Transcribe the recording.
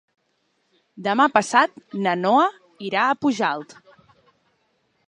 Demà passat na Noa irà a Pujalt.